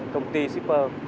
công ty shipper